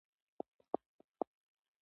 بل د نومځي په مانا یو څپیز دی.